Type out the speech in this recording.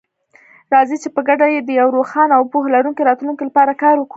راځئ چې په ګډه د یو روښانه او پوهه لرونکي راتلونکي لپاره کار وکړو.